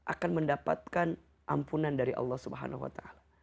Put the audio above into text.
akan mendapatkan ampunan dari allah swt